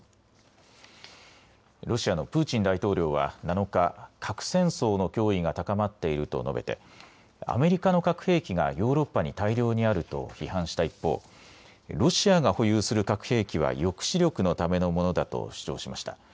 ロシアのプーチン大統領は７日、核戦争の脅威が高まっていると述べてアメリカの核兵器がヨーロッパに大量にあると批判した一方、ロシアが保有する核兵器は抑止力のためのものだと主張しました。